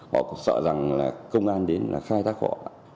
họ sợ rằng là công an đến là khai thác họ